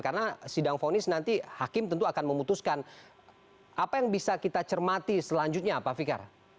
karena sidang fonis nanti hakim tentu akan memutuskan apa yang bisa kita cermati selanjutnya pak fikar